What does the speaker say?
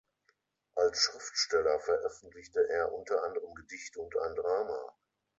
Als Schriftsteller veröffentlichte er unter anderem Gedichte und ein Drama.